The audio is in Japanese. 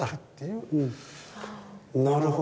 なるほど。